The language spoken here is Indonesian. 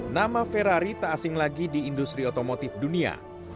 nama ferrari tak asing lagi di industri otomotif dunia